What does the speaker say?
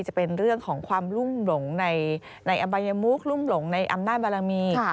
จะเป็นเรื่องของความลุ่มหลงในอบัยมุกรุ่มหลงในอำนาจบารมี